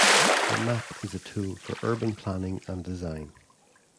The map is a tool for urban planning and design.